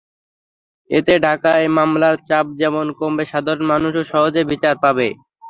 এতে ঢাকায় মামলার চাপ যেমন কমবে, সাধারণ মানুষও সহজে বিচার পাবে।